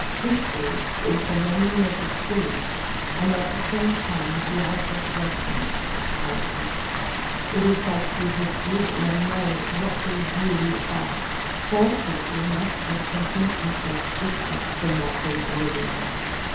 History is the memory of the State and at the same time the object lesson of politics. It is by true history that men know what they really are. False history must make them think themselves different from what they really are.